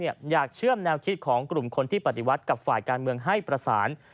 อยากเชื่อมแนวคิดของกลุ่มคนที่ปฏิวัติกับฝ่ายการเมืองให้ประสาน